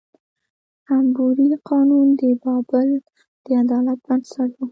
حموربي قانون د بابل د عدالت بنسټ و.